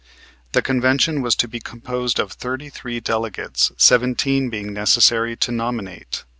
The convention was to be composed of thirty three delegates, seventeen being necessary to nominate.